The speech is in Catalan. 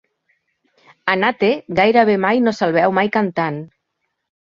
A Nate gairebé mai no se'l veu mai cantant.